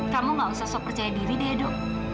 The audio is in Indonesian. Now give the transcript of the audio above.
kamu nggak usah sok percaya diri deh edo